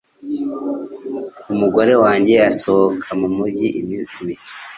Umugore wanjye asohoka mumujyi iminsi mike